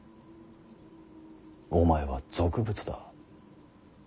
お前は俗物だ。